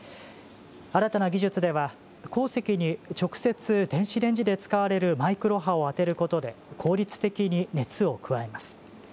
新たな技術では、鉱石に直接電子レンジで使われるマイクロ波を当てることで効率的に熱を加えます。